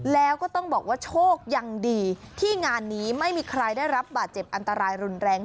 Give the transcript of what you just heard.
แล้วก็ต้องบอกว่าโชคยังดีที่งานนี้ไม่มีใครได้รับบาดเจ็บอันตรายรุนแรง